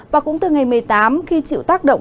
và cũng từ ngày một mươi tám khi chịu tác động